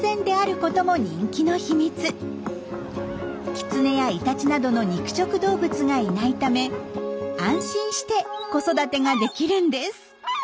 キツネやイタチなどの肉食動物がいないため安心して子育てができるんです。